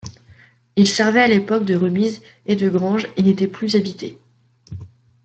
Ils servaient à l'époque de remise et de grange et n'étaient plus habités.